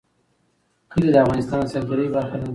کلي د افغانستان د سیلګرۍ برخه ده.